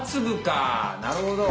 なるほど。